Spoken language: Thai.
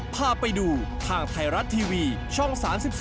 พาไปดูทางไทยรัฐทีวีช่อง๓๒